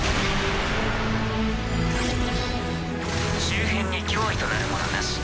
周辺に脅威となるものなし。